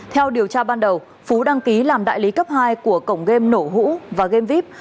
theo điều tra ban đầu phú đăng ký làm đại lý cấp hai của cổng game nổ hũ và gamevip